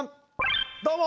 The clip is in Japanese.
どうも！